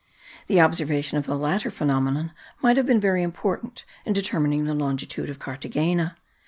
The observation of the latter phenomenon might have been very important in determining the longitude of Carthagena.